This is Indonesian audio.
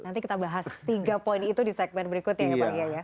nanti kita bahas tiga poin itu di segmen berikutnya ya pak ya